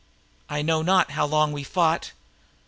I know not how long we fought.